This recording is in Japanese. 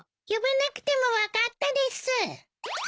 呼ばなくても分かったです。